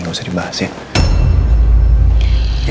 gak usah dibahas ya